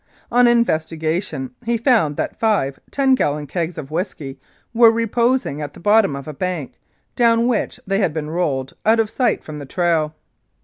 On investigation he found that five ten gallon kegs of whisky were reposing at the bottom of a bank, down which they had been rolled out of sight from the trail.